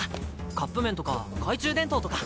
カップ麺とか懐中電灯とか。